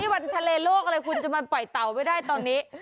วันทะเลโลกอะไรคุณจะมาปล่อยเต่าไม่ได้ตอนนี้